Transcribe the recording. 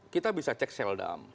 kita bisa cek sel dump